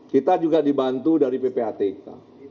kita juga dibantu dari ppatk